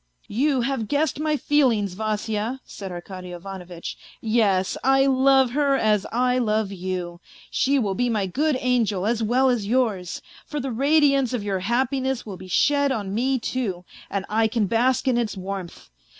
" You have guessed my feelings, Vasya," said Arkady Ivanovitch. " Yes, I love her as I love you ; she will be my good angel as well as yours, for the radiance of your happiness will be shed on me, too, and I can bask in its warmth.